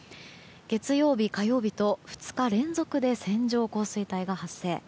月曜日、火曜日と２日連続で線状降水帯が発生。